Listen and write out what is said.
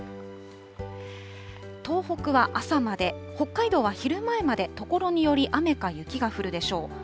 東北は朝まで、北海道は昼前までところにより雨か雪が降るでしょう。